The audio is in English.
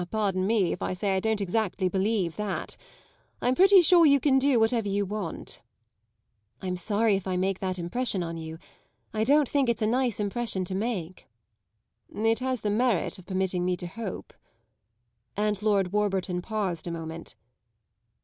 "Ah, pardon me if I say I don't exactly believe that. I'm pretty sure you can do whatever you want." "I'm sorry if I make that impression on you; I don't think it's a nice impression to make." "It has the merit of permitting me to hope." And Lord Warburton paused a moment.